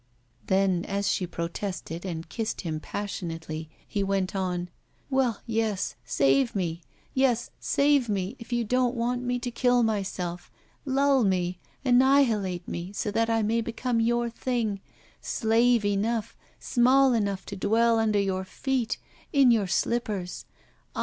Then, as she protested and kissed him passionately, he went on: 'Well, yes, save me! Yes, save me, if you don't want me to kill myself! Lull me, annihilate me, so that I may become your thing, slave enough, small enough to dwell under your feet, in your slippers. Ah!